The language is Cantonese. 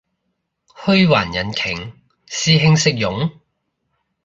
虛幻引擎？師兄識用？